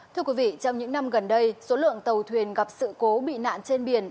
thưa quý vị trong những năm gần đây số lượng tàu thuyền gặp sự cố bị nạn trên biển